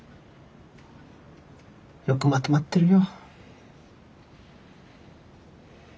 よくまとまってるよ。